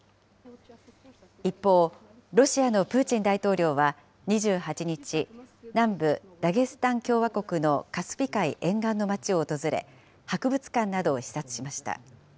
一方、ロシアのプーチン大統領は、２８日、南部ダゲスタン共和国のカスピ海沿岸の町を訪れ、博物館などを視察しました。